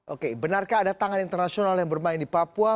oke benarkah ada tangan internasional yang bermain di papua